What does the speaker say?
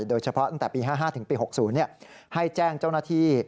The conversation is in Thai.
ตั้งแต่ปี๕๕ถึงปี๖๐ให้แจ้งเจ้าหน้าที่